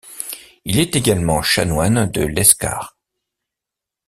Il est également chanoine de Lescar.